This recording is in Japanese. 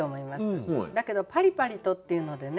だけど「パリパリと」っていうのでね